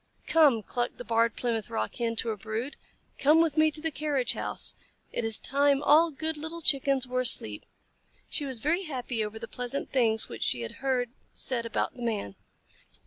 "Come," clucked the Barred Plymouth Rock Hen to her brood. "Come with me to the carriage house. It is time all good little Chickens were asleep." She was very happy over the pleasant things which she had heard said about the Man.